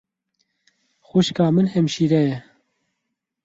Xwîşka min hemşîre ye.